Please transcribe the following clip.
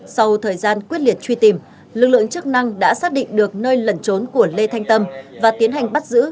sau thời gian quyết liệt truy tìm lực lượng chức năng đã xác định được nơi lẩn trốn của lê thanh tâm và tiến hành bắt giữ